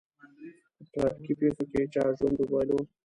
که په ترافيکي پېښه کې چا ژوند وبایلود.